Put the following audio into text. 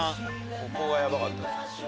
ここがヤバかった。